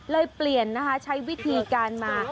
เปลี่ยนนะคะใช้วิธีการมา